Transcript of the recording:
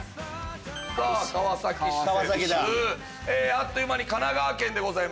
あっという間に神奈川県でございます。